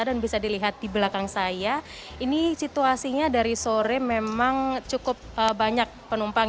dan bisa dilihat di belakang saya ini situasinya dari sore memang cukup banyak penumpang